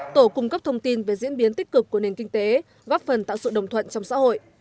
tổ cung cấp thông tin về diễn biến tích cực của nền kinh tế góp phần tạo sự đồng thuận trong xã hội